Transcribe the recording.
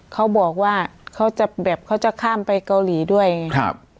เขาบอกว่าเขาจะแบบเขาจะข้ามไปเกาหลีด้วยไงครับ